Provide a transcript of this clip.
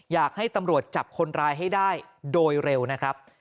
อยากให้ตำรวจจับคนร้ายให้ได้โดยเร็วนะครับ